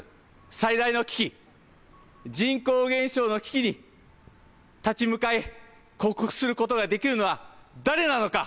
最大の危機、人口減少の危機に立ち向かい、克服することができるのは誰なのか。